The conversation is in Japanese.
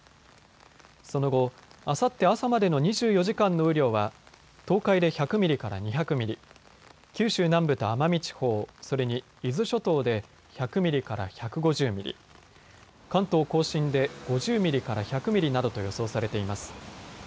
その後、あさって朝までの２４時間の雨量は東海で１００ミリから２００ミリ、九州南部と奄美地方、それに伊豆諸島で１００ミリから１５０ミリ、関東甲信で５０ミリから１００ミリなどと予想されています。